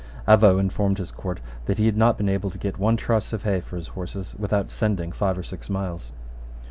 Avaux informed his court that he had not been able to get one truss of hay for his horses without sending five or six miles.